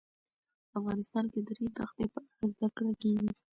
افغانستان کې د د ریګ دښتې په اړه زده کړه کېږي.